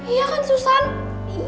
iya kan susah